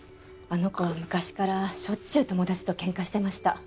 あの子は昔からしょっちゅう友達と喧嘩してました。